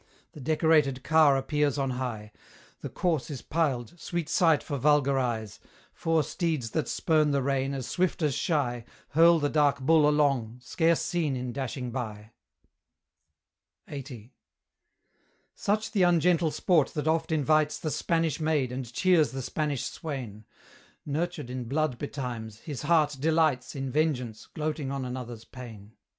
The decorated car appears on high: The corse is piled sweet sight for vulgar eyes; Four steeds that spurn the rein, as swift as shy, Hurl the dark bull along, scarce seen in dashing by. LXXX. Such the ungentle sport that oft invites The Spanish maid, and cheers the Spanish swain: Nurtured in blood betimes, his heart delights In vengeance, gloating on another's pain.